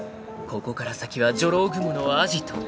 ［ここから先はジョロウグモのアジト］